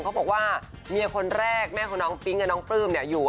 เขาบอกว่าเมียคนแรกแม่ของน้องปิ๊งกับน้องปลื้มเนี่ยอยู่